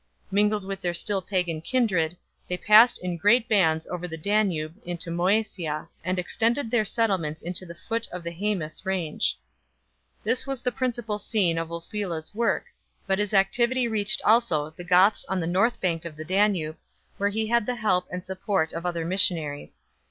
Mingled with their still pagan kindred they passed in great bands over the Danube into Moesia, and extended their settlements to the foot of the Haemus range. This was the principal scene of Ulfilas s work, but his activity reached also the Goths on the North bank of the Danube, where he had the help and support of other missionaries.